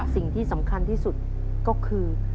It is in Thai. สิ่งที่สำคัญที่สุดก็คือ